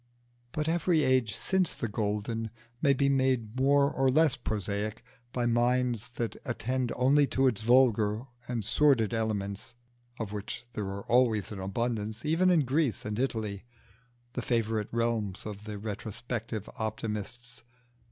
But every age since the golden may be made more or less prosaic by minds that attend only to its vulgar and sordid elements, of which there was always an abundance even in Greece and Italy, the favourite realms of the retrospective optimists.